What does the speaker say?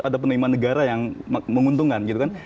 ada penerimaan negara yang menguntungkan gitu kan